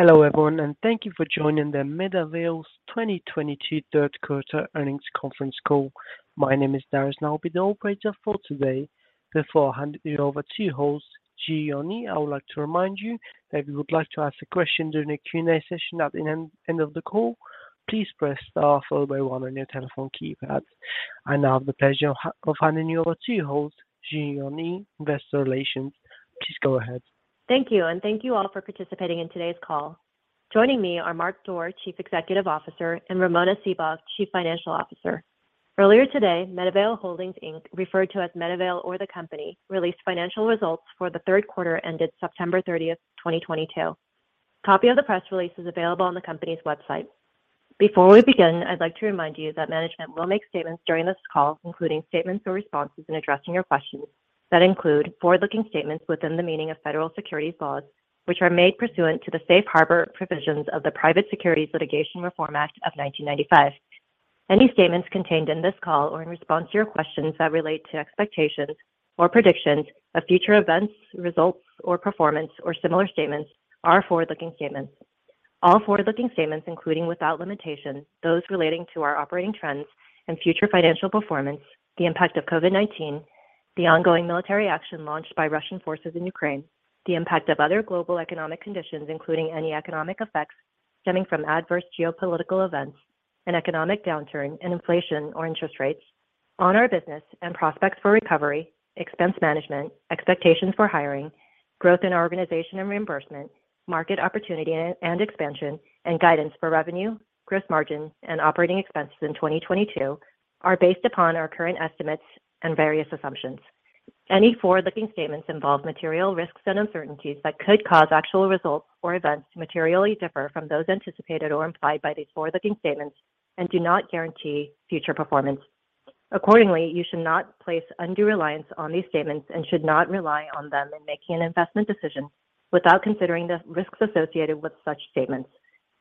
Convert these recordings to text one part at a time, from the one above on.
Hello, everyone, and thank you for joining MedAvail's 2022 Q3 earnings conference call. My name is Darius, and I'll be the operator for today. Before I hand you over to your host, Ji-Yon Yi, I would like to remind you that if you would like to ask a question during the Q&A session at the end of the call, please press star followed by one on your telephone keypad. I now have the pleasure of handing you over to your host, Ji-Yon Yi, investor relations. Please go ahead. Thank you. Thank you all for participating in today's call. Joining me are Mark Doerr, Chief Executive Officer, and Ramona Seabaugh, Chief Financial Officer. Earlier today, MedAvail Holdings, Inc., referred to as MedAvail or the company, released financial results for the Q3 ended September 30th, 2022. A copy of the press release is available on the company's website. Before we begin, I'd like to remind you that management will make statements during this call, including statements or responses in addressing your questions that include forward-looking statements within the meaning of federal securities laws, which are made pursuant to the Safe Harbor provisions of the Private Securities Litigation Reform Act of 1995. Any statements contained in this call or in response to your questions that relate to expectations or predictions of future events, results or performance or similar statements are forward-looking statements. All forward-looking statements, including without limitation, those relating to our operating trends and future financial performance, the impact of COVID-19, the ongoing military action launched by Russian forces in Ukraine, the impact of other global economic conditions, including any economic effects stemming from adverse geopolitical events, an economic downturn and inflation or interest rates on our business and prospects for recovery, expense management, expectations for hiring, growth in our organization and reimbursement, market opportunity and expansion, and guidance for revenue, gross margin and operating expenses in 2022 are based upon our current estimates and various assumptions. Any forward-looking statements involve material risks and uncertainties that could cause actual results or events to materially differ from those anticipated or implied by these forward-looking statements and do not guarantee future performance. Accordingly, you should not place undue reliance on these statements and should not rely on them in making an investment decision without considering the risks associated with such statements.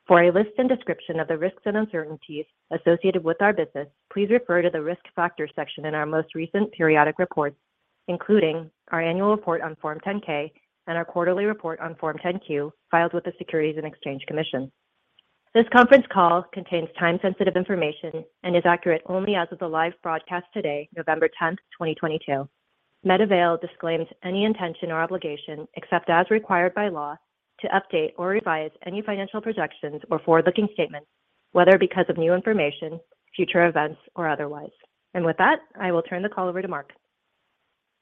For a list and description of the risks and uncertainties associated with our business, please refer to the Risk Factors section in our most recent periodic reports, including our annual report on Form 10-K and our quarterly report on Form 10-Q filed with the Securities and Exchange Commission. This conference call contains time-sensitive information and is accurate only as of the live broadcast today, November 10, 2022. MedAvail disclaims any intention or obligation, except as required by law, to update or revise any financial projections or forward-looking statements, whether because of new information, future events or otherwise. With that, I will turn the call over to Mark.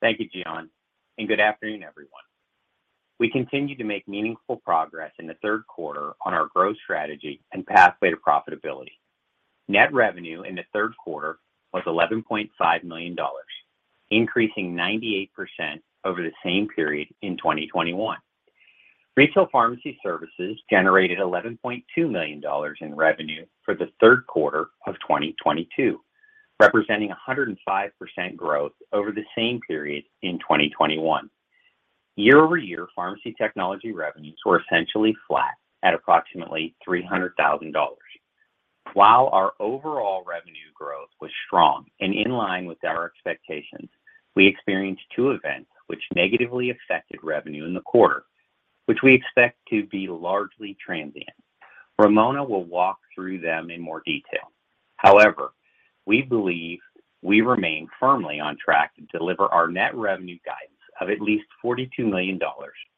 Thank you, Ji-Yon, and good afternoon, everyone. We continue to make meaningful progress in the Q3 on our growth strategy and pathway to profitability. Net revenue in the Q3 was $11.5 million, increasing 98% over the same period in 2021. Retail pharmacy services generated $11.2 million in revenue for the Q3 of 2022, representing 105% growth over the same period in 2021. Year-over-year, pharmacy technology revenues were essentially flat at approximately $300,000. While our overall revenue growth was strong and in line with our expectations, we experienced two events which negatively affected revenue in the quarter, which we expect to be largely transient. Ramona will walk through them in more detail. However, we believe we remain firmly on track to deliver our net revenue guidance of at least $42 million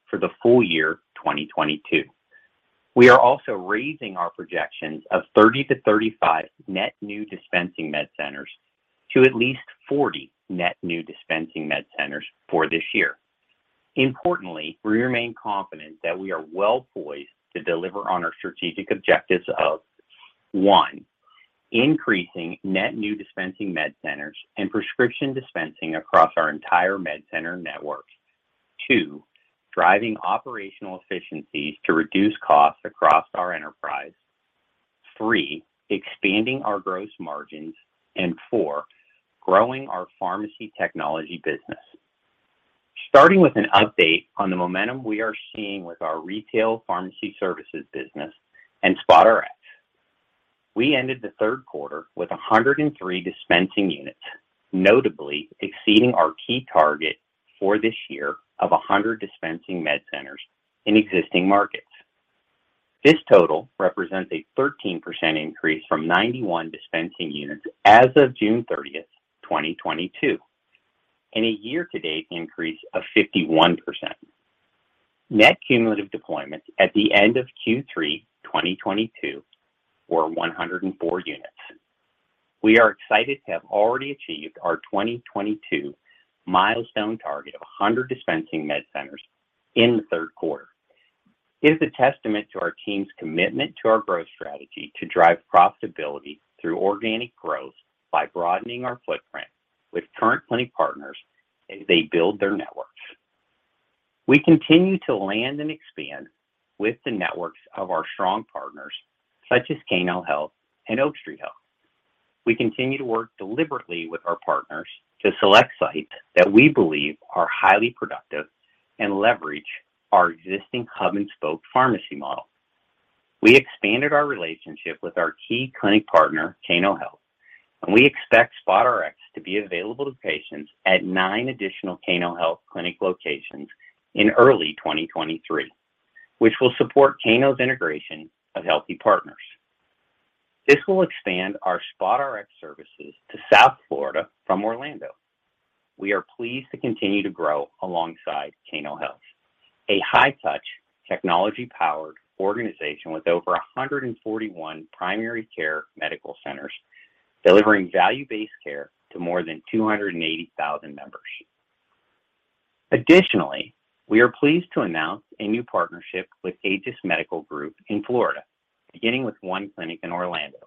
for the full year 2022. We are also raising our projections of 30-35 net new dispensing MedCenters to at least 40 net new dispensing MedCenters for this year. Importantly, we remain confident that we are well poised to deliver on our strategic objectives of, one, increasing net new dispensing MedCenters and prescription dispensing across our entire MedCenter network. Two, driving operational efficiencies to reduce costs across our enterprise. Three, expanding our gross margins. And four, growing our pharmacy technology business. Starting with an update on the momentum we are seeing with our retail pharmacy services business and SpotRx. We ended the Q3 with 103 dispensing units, notably exceeding our key target for this year of 100 dispensing med centers in existing markets. This total represents a 13% increase from 91 dispensing units as of June 30, 2022, and a year to date increase of 51%. Net cumulative deployments at the end of Q3 2022 were 104 units. We are excited to have already achieved our 2022 milestone target of 100 dispensing med centers in the Q3. It is a testament to our team's commitment to our growth strategy to drive profitability through organic growth by broadening our footprint with current clinic partners as they build their networks. We continue to land and expand with the networks of our strong partners such as Cano Health and Oak Street Health. We continue to work deliberately with our partners to select sites that we believe are highly productive and leverage our existing hub and spoke pharmacy model. We expanded our relationship with our key clinic partner, Cano Health. We expect SpotRx to be available to patients at nine additional Cano Health clinic locations in early 2023, which will support Cano's integration of Healthy Partners. This will expand our SpotRx services to South Florida from Orlando. We are pleased to continue to grow alongside Cano Health, a high-touch, technology-powered organization with over 141 primary care medical centers delivering value-based care to more than 280,000 members. Additionally, we are pleased to announce a new partnership with Aegis Medical Group in Florida, beginning with one clinic in Orlando.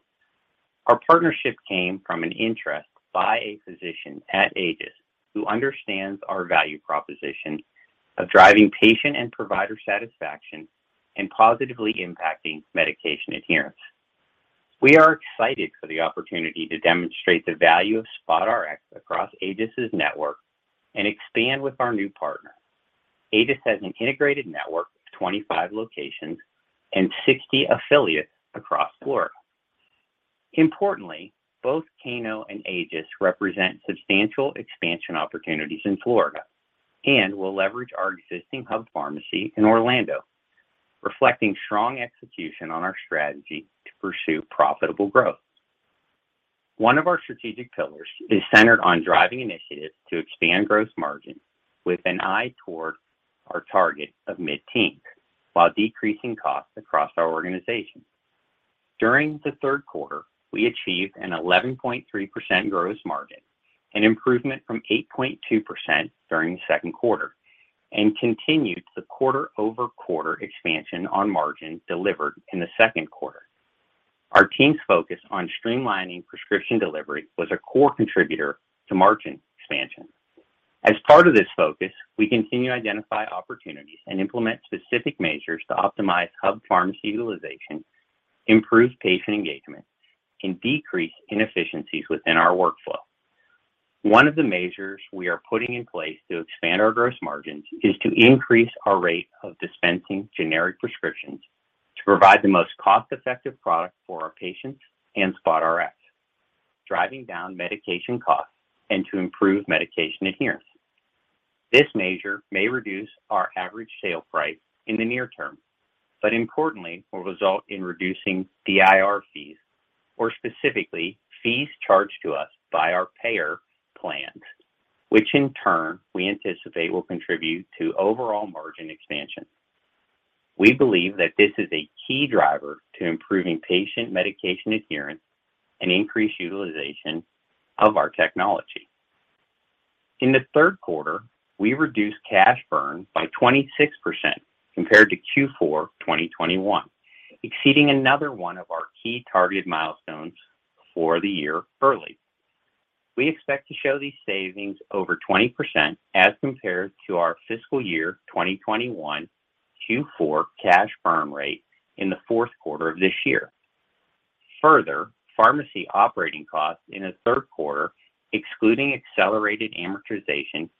Our partnership came from an interest by a physician at Aegis who understands our value proposition of driving patient and provider satisfaction and positively impacting medication adherence. We are excited for the opportunity to demonstrate the value of SpotRx across Aegis's network and expand with our new partner. Aegis has an integrated network of 25 locations and 60 affiliates across Florida. Importantly, both Cano and Aegis represent substantial expansion opportunities in Florida and will leverage our existing hub pharmacy in Orlando, reflecting strong execution on our strategy to pursue profitable growth. One of our strategic pillars is centered on driving initiatives to expand gross margin with an eye toward our target of mid-teen while decreasing costs across our organization. During the Q3, we achieved an 11.3% gross margin, an improvement from 8.2% during the Q2, and continued the quarter-over-quarter expansion on margin delivered in the Q2. Our team's focus on streamlining prescription delivery was a core contributor to margin expansion. As part of this focus, we continue to identify opportunities and implement specific measures to optimize hub pharmacy utilization, improve patient engagement, and decrease inefficiencies within our workflow. One of the measures we are putting in place to expand our gross margins is to increase our rate of dispensing generic prescriptions to provide the most cost-effective product for our patients and SpotRx, driving down medication costs and to improve medication adherence. This measure may reduce our average sale price in the near term, but importantly, will result in reducing DIR fees or specifically fees charged to us by our payer plans, which in turn we anticipate will contribute to overall margin expansion. We believe that this is a key driver to improving patient medication adherence and increased utilization of our technology. In the Q3, we reduced cash burn by 26% compared to Q4 2021, exceeding another one of our key targeted milestones for the year early. We expect to show these savings over 20% as compared to our fiscal year 2021 Q4 cash burn rate in the Q4 of this year. Further, pharmacy operating costs in the Q3, excluding accelerated amortization,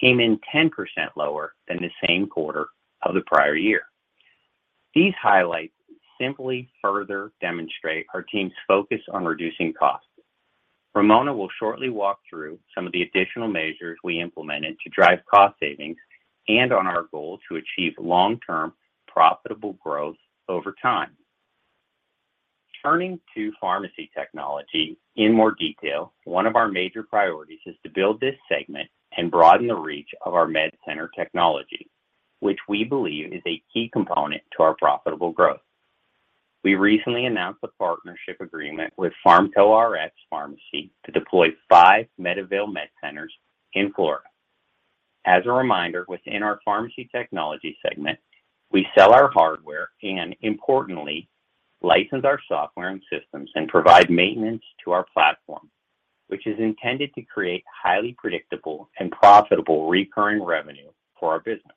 came in 10% lower than the same quarter of the prior year. These highlights simply further demonstrate our team's focus on reducing costs. Ramona will shortly walk through some of the additional measures we implemented to drive cost savings and on our goal to achieve long-term profitable growth over time. Turning to pharmacy technology in more detail, one of our major priorities is to build this segment and broaden the reach of our MedCenter technology, which we believe is a key component to our profitable growth. We recently announced a partnership agreement with PharmCoRx to deploy five MedAvail MedCenters in Florida. As a reminder, within our pharmacy technology segment, we sell our hardware and importantly, license our software and systems and provide maintenance to our platform, which is intended to create highly predictable and profitable recurring revenue for our business.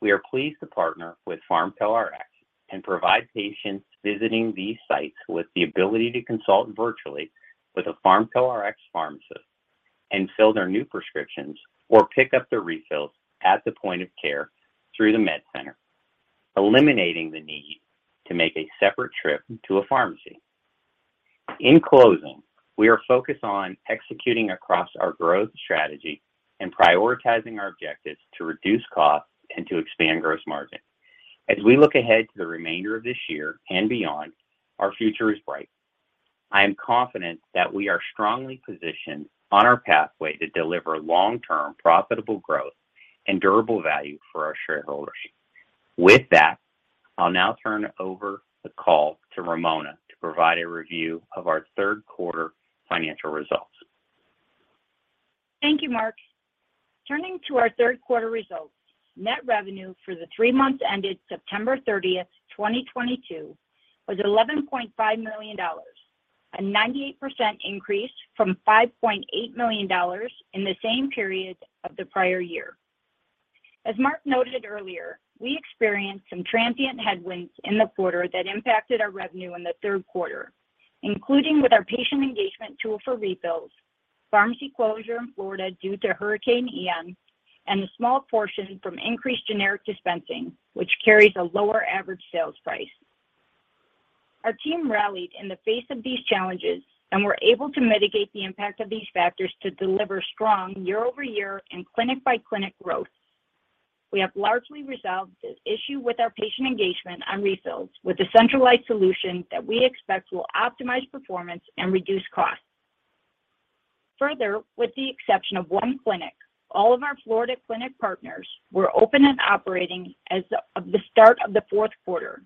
We are pleased to partner with PharmCoRx and provide patients visiting these sites with the ability to consult virtually with a PharmCoRx pharmacist and fill their new prescriptions or pick up their refills at the point of care through the MedCenter, eliminating the need to make a separate trip to a pharmacy. In closing, we are focused on executing across our growth strategy and prioritizing our objectives to reduce costs and to expand gross margin. As we look ahead to the remainder of this year and beyond, our future is bright. I am confident that we are strongly positioned on our pathway to deliver long-term profitable growth and durable value for our shareholders. With that, I'll now turn over the call to Ramona to provide a review of our Q3 financial results. Thank you, Mark. Turning to our Q3 results, net revenue for the three months ended September 30, 2022 was $11.5 million, a 98% increase from $5.8 million in the same period of the prior year. As Mark noted earlier, we experienced some transient headwinds in the quarter that impacted our revenue in the Q3, including with our patient engagement tool for refills, pharmacy closure in Florida due to Hurricane Ian, and a small portion from increased generic dispensing, which carries a lower average sales price. Our team rallied in the face of these challenges and were able to mitigate the impact of these factors to deliver strong year-over-year and clinic-by-clinic growth. We have largely resolved the issue with our patient engagement on refills with a centralized solution that we expect will optimize performance and reduce costs. Further, with the exception of one clinic, all of our Florida clinic partners were open and operating as of the start of the Q4,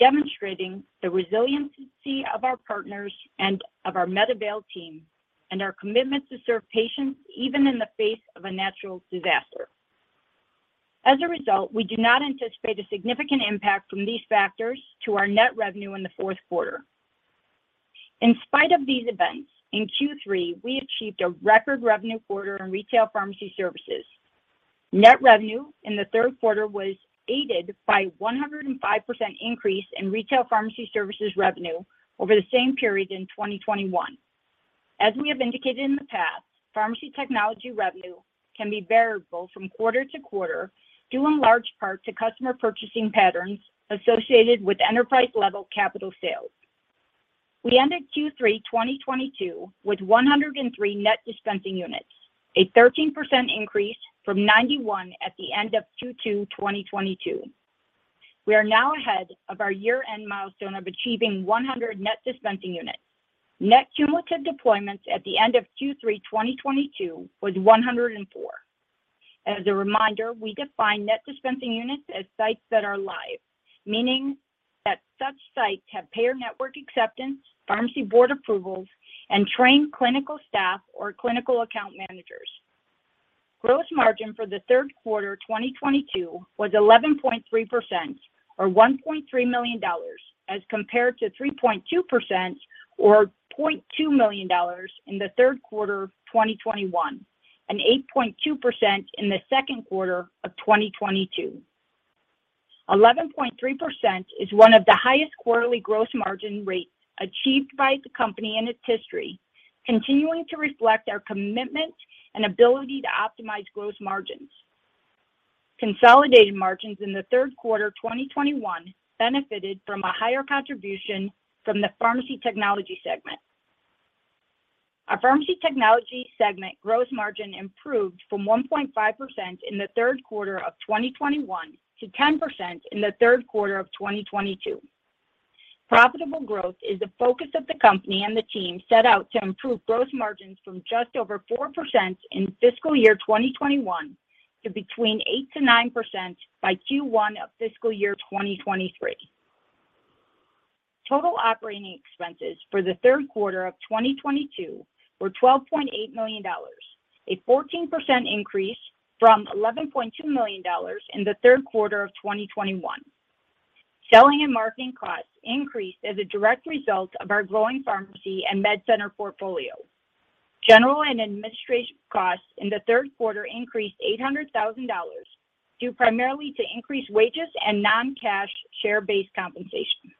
demonstrating the resiliency of our partners and of our MedAvail team and our commitment to serve patients even in the face of a natural disaster. As a result, we do not anticipate a significant impact from these factors to our net revenue in the Q4. In spite of these events, in Q3, we achieved a record revenue quarter in retail pharmacy services. Net revenue in the Q3 was aided by 105% increase in retail pharmacy services revenue over the same period in 2021. As we have indicated in the past, pharmacy technology revenue can be variable from quarter to quarter, due in large part to customer purchasing patterns associated with enterprise-level capital sales. We ended Q3 2022 with 103 net dispensing units, a 13% increase from 91 at the end of Q2 2022. We are now ahead of our year-end milestone of achieving 100 net dispensing units. Net cumulative deployments at the end of Q3 2022 was 104. As a reminder, we define net dispensing units as sites that are live, meaning that such sites have payer network acceptance, pharmacy board approvals, and trained clinical staff or clinical account managers. Gross margin for the Q3 2022 was 11.3% or $1.3 million as compared to 3.2% or $0.2 million in the Q3 of 2021, and 8.2% in the Q2 of 2022. 11.3% is one of the highest quarterly gross margin rates achieved by the company in its history, continuing to reflect our commitment and ability to optimize gross margins. Consolidated margins in the Q3 2021 benefited from a higher contribution from the pharmacy technology segment. Our pharmacy technology segment gross margin improved from 1.5% in the Q3 of 2021 to 10% in the Q3 of 2022. Profitable growth is the focus of the company and the team set out to improve gross margins from just over 4% in fiscal year 2021 to between 8%-9% by Q1 of fiscal year 2023. Total operating expenses for the Q3 of 2022 were $12.8 million, a 14% increase from $11.2 million in the Q3 of 2021. Selling and marketing costs increased as a direct result of our growing pharmacy and MedCenter portfolio. General and administrative costs in the Q3 increased $800,000 due primarily to increased wages and non-cash share-based compensation.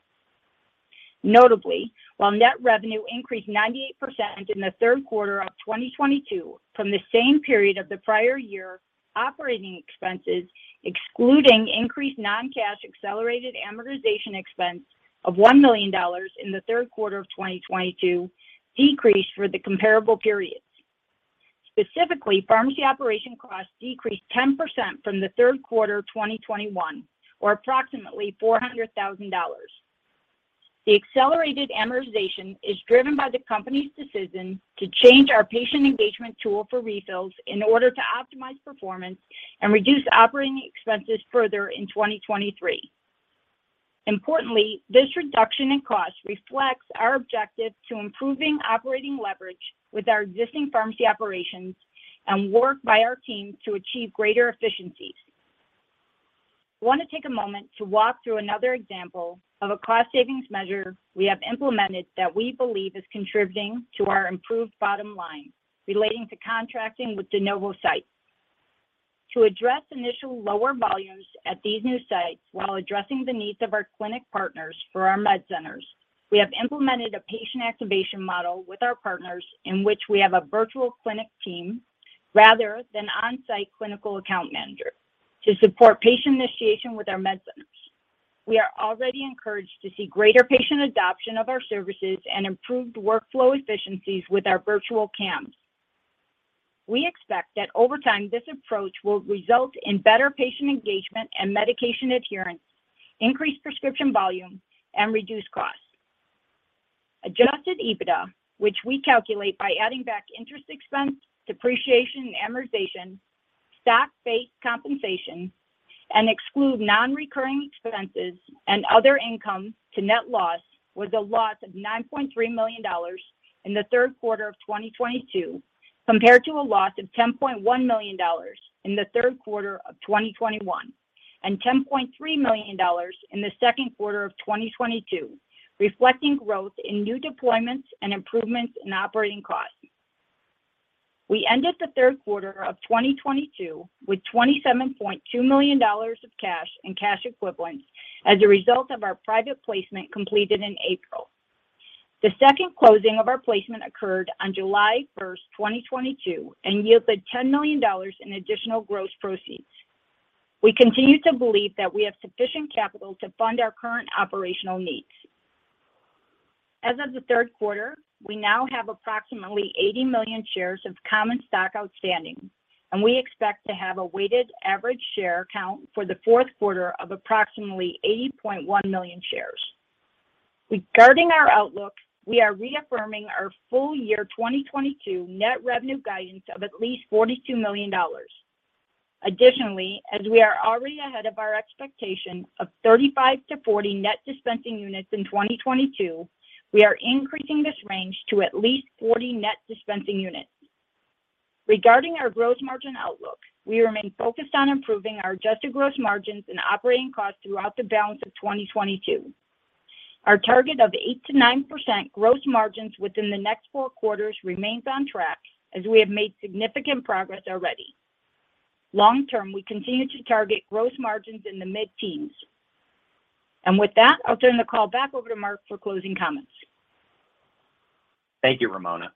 Notably, while net revenue increased 98% in the Q3 of 2022 from the same period of the prior year, operating expenses, excluding increased non-cash accelerated amortization expense of $1 million in the Q3 of 2022, decreased for the comparable periods. Specifically, pharmacy operation costs decreased 10% from the Q3 2021 or approximately $400,000. The accelerated amortization is driven by the company's decision to change our patient engagement tool for refills in order to optimize performance and reduce operating expenses further in 2023. Importantly, this reduction in cost reflects our objective to improving operating leverage with our existing pharmacy operations and work by our team to achieve greater efficiencies. Want to take a moment to walk through another example of a cost savings measure we have implemented that we believe is contributing to our improved bottom line relating to contracting with de novo sites. To address initial lower volumes at these new sites while addressing the needs of our clinic partners for our MedCenters, we have implemented a patient activation model with our partners in which we have a virtual clinic team rather than on-site clinical account manager to support patient initiation with our MedCenters. We are already encouraged to see greater patient adoption of our services and improved workflow efficiencies with our virtual CAMs. We expect that over time, this approach will result in better patient engagement and medication adherence, increased prescription volume, and reduced costs. Adjusted EBITDA, which we calculate by adding back interest expense, depreciation, and amortization, stock-based compensation, and exclude non-recurring expenses and other income to net loss, was a loss of $9.3 million in the Q3 of 2022, compared to a loss of $10.1 million in the Q3 of 2021 and $10.3 million in the Q2 of 2022, reflecting growth in new deployments and improvements in operating costs. We ended the Q3 of 2022 with $27.2 million of cash and cash equivalents as a result of our private placement completed in April. The second closing of our placement occurred on July 1, 2022, and yielded $10 million in additional gross proceeds. We continue to believe that we have sufficient capital to fund our current operational needs. As of the Q3, we now have approximately 80 million shares of common stock outstanding, and we expect to have a weighted average share count for the Q4 of approximately 80.1 million shares. Regarding our outlook, we are reaffirming our full year 2022 net revenue guidance of at least $42 million. Additionally, as we are already ahead of our expectation of 35-40 net dispensing units in 2022, we are increasing this range to at least 40 net dispensing units. Regarding our gross margin outlook, we remain focused on improving our adjusted gross margins and operating costs throughout the balance of 2022. Our target of 8%-9% gross margins within the next four quarters remains on track as we have made significant progress already. Long-term, we continue to target gross margins in the mid-teens. And with that, I'll turn the call back over to Mark for closing comments. Thank you, Ramona.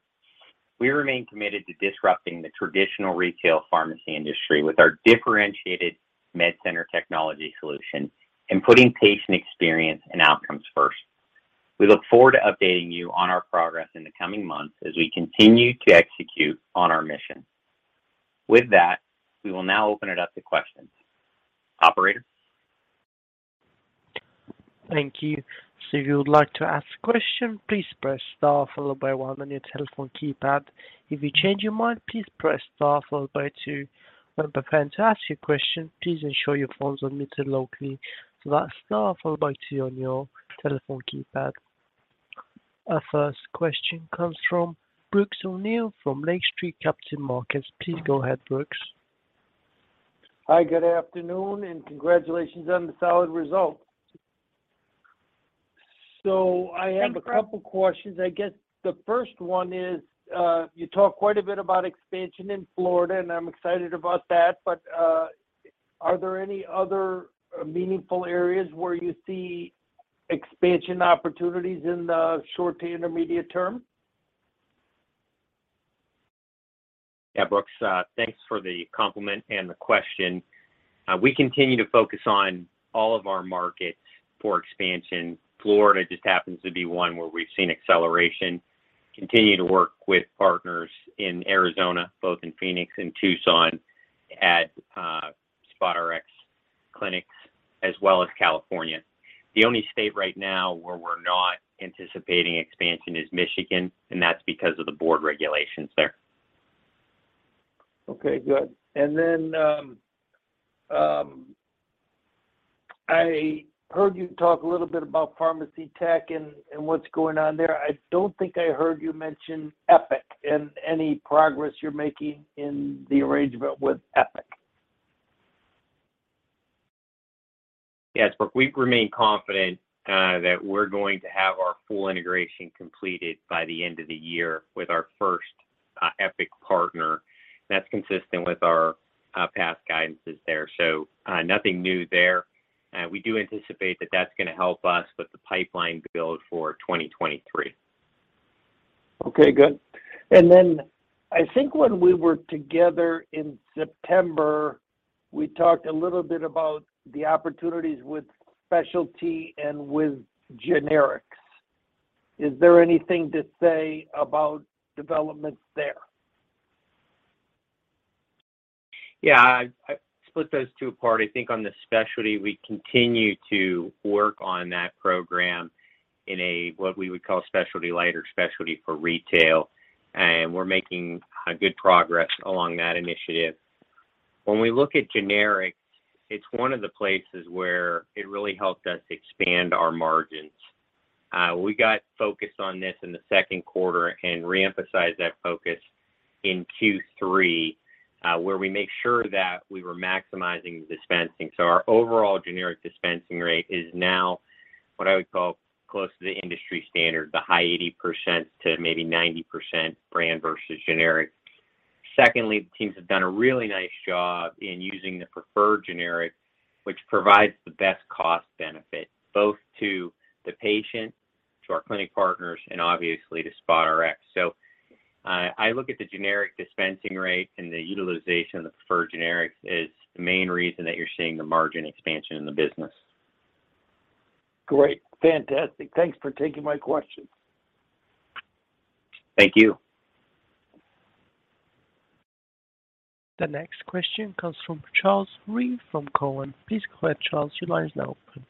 We remain committed to disrupting the traditional retail pharmacy industry with our differentiated MedCenter technology solution and putting patient experience and outcomes first. We look forward to updating you on our progress in the coming months as we continue to execute on our mission. With that, we will now open it up to questions. Operator. Thank you. So if you would like to ask a question, please press star followed by one on your telephone keypad. If you change your mind, please press star followed by two. When preparing to ask your question, please ensure your phone is unmuted locally. That's star followed by two on your telephone keypad. Our first question comes from Brooks O'Neil from Lake Street Capital Markets. Please go ahead, Brooks. Hi, good afternoon, and congratulations on the solid results. Thanks, Brooks. A couple questions. I guess the first one is, you talked quite a bit about expansion in Florida, and I'm excited about that. But are there any other meaningful areas where you see expansion opportunities in the short to intermediate term? Yeah, Brooks, thanks for the compliment and the question. We continue to focus on all of our markets for expansion. Florida just happens to be one where we've seen acceleration, continue to work with partners in Arizona, both in Phoenix and Tucson, at SpotRx clinics, as well as California. The only state right now where we're not anticipating expansion is Michigan, and that's because of the board regulations there. Okay, good. And then, I heard you talk a little bit about pharmacy tech and what's going on there. I don't think I heard you mention Epic and any progress you're making in the arrangement with Epic. Yes, Brooks. We remain confident that we're going to have our full integration completed by the end of the year with our first Epic partner. That's consistent with our past guidances there. Nothing new there. We do anticipate that that's gonna help us with the pipeline build for 2023. Okay, good. And then I think when we were together in September, we talked a little bit about the opportunities with specialty and with generics. Is there anything to say about developments there? Yeah. I'd split those two apart. I think on the specialty, we continue to work on that program in a what we would call specialty lighter specialty for retail, and we're making good progress along that initiative. When we look at generics, it's one of the places where it really helped us expand our margins. We got focused on this in the Q2 and reemphasized that focus in Q3, where we make sure that we were maximizing the dispensing. So our overall generic dispensing rate is now what I would call close to the industry standard, the high 80% to maybe 90% brand versus generic. Secondly, the teams have done a really nice job in using the preferred generic, which provides the best cost benefit, both to the patient, to our clinic partners, and obviously to SpotRx. So I look at the generic dispensing rate and the utilization of the preferred generics as the main reason that you're seeing the margin expansion in the business. Great. Fantastic. Thanks for taking my questions. Thank you. The next question comes from Charles Rhyee from Cowen. Please go ahead, Charles. Your line is now open.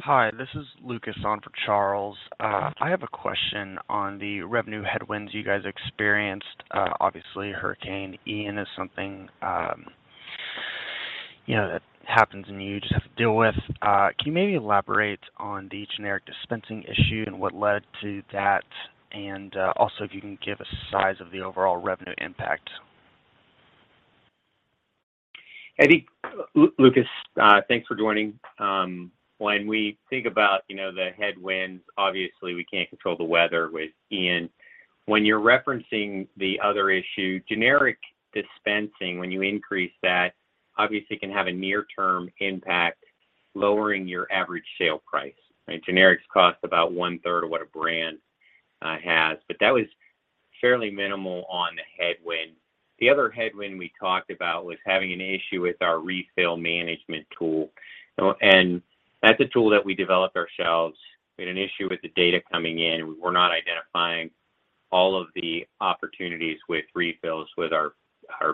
Hi, this is Lucas on for Charles. I have a question on the revenue headwinds you guys experienced. Obviously, Hurricane Ian is something, you know, that happens and you just have to deal with. Can you maybe elaborate on the generic dispensing issue and what led to that? And also if you can give a size of the overall revenue impact. Lucas, thanks for joining. When we think about, you know, the headwinds, obviously we can't control the weather with Ian. When you're referencing the other issue, generic dispensing, when you increase that, obviously it can have a near-term impact lowering your average sale price, right? Generics cost about one-third of what a brand has, but that was fairly minimal on the headwind. The other headwind we talked about was having an issue with our refill management tool. And that's a tool that we developed ourselves. We had an issue with the data coming in, and we were not identifying all of the opportunities with refills with our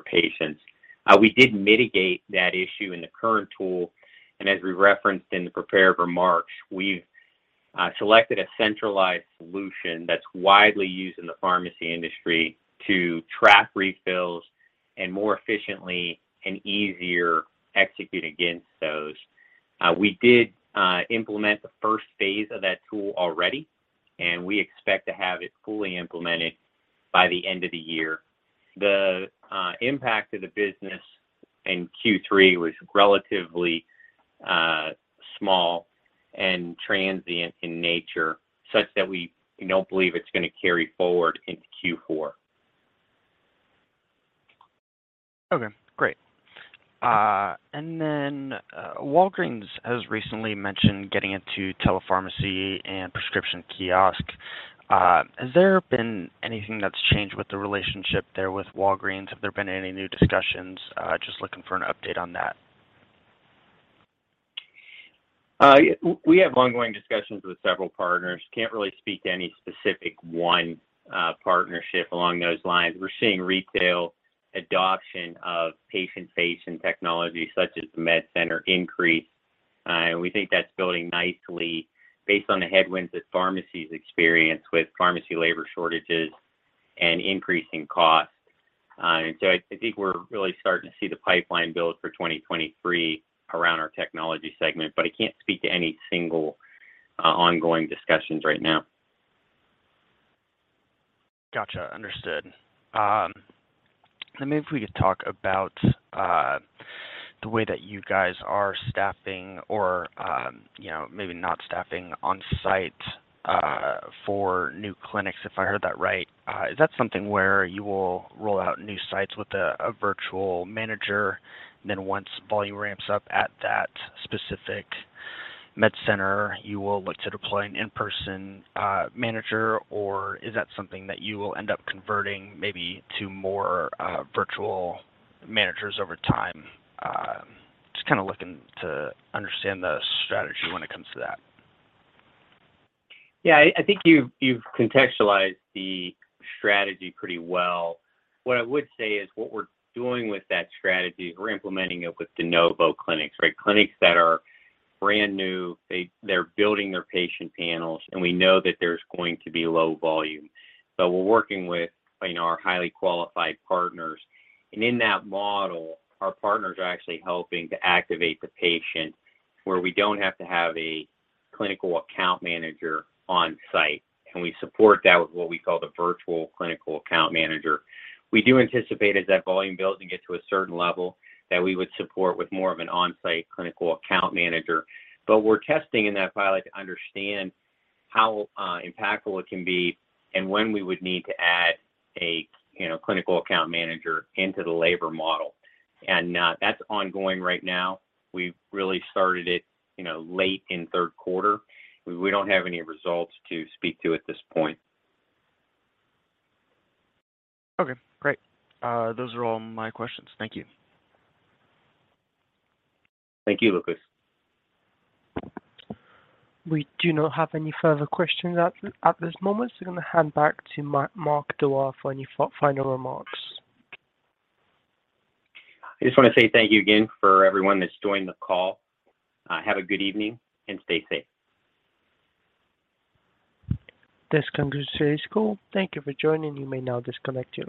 patients. We did mitigate that issue in the current tool, and as we referenced in the prepared remarks, we've selected a centralized solution that's widely used in the pharmacy industry to track refills and more efficiently and easier execute against those. We did implement the first phase of that tool already, and we expect to have it fully implemented by the end of the year. The impact to the business in Q3 was relatively small and transient in nature, such that we don't believe it's gonna carry forward into Q4. Okay, great. And then, Walgreens has recently mentioned getting into telepharmacy and prescription kiosk. Has there been anything that's changed with the relationship there with Walgreens? Have there been any new discussions? Just looking for an update on that. We have ongoing discussions with several partners. Can't really speak to any specific one, partnership along those lines. We're seeing retail adoption of patient-facing technology such as MedCenter increase, and we think that's building nicely based on the headwinds that pharmacies experience with pharmacy labor shortages and increasing costs. I think we're really starting to see the pipeline build for 2023 around our technology segment, but I can't speak to any single, ongoing discussions right now. Gotcha. Understood. Maybe if we could talk about the way that you guys are staffing or, you know, maybe not staffing on-site for new clinics, if I heard that right. Is that something where you will roll out new sites with a virtual manager, then once volume ramps up at that specific med center, you will look to deploy an in-person manager? Or is that something that you will end up converting maybe to more virtual managers over time? Just kinda looking to understand the strategy when it comes to that. Yeah. I think you've, you've contextualized the strategy pretty well. What I would say is what we're doing with that strategy is we're implementing it with de novo clinics, right? Clinics that are brand-new, they're building their patient panels, and we know that there's going to be low volume. So we're working with, you know, our highly qualified partners, and in that model, our partners are actually helping to activate the patient, where we don't have to have a clinical account manager on-site, and we support that with what we call the virtual clinical account manager. We do anticipate as that volume builds and gets to a certain level that we would support with more of an on-site clinical account manager. But we're testing in that pilot to understand how impactful it can be and when we would need to add a, you know, clinical account manager into the labor model. And that's ongoing right now. We've really started it, you know, late in Q3. We don't have any results to speak to at this point. Okay, great. Those are all my questions. Thank you. Thank you, Lucas. We do not have any further questions at this moment, so gonna hand back to Mark Doerr for any final remarks. I just wanna say thank you again for everyone that's joined the call, have a good evening, and stay safe. This concludes today's call. Thank you for joining. You may now disconnect your lines.